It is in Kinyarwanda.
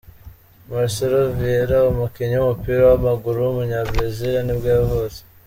Marcelo Vieira, umukinnyi w’umupira w’amaguru w’umunyabrazil nibwo yavutse.